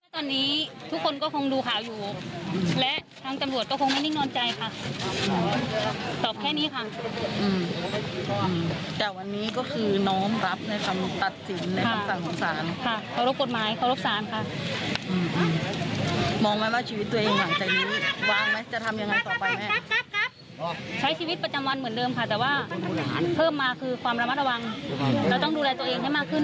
ซึ่งวันนี้ก็คือความระมัดระวังเราต้องดูแลตัวเองให้มากขึ้น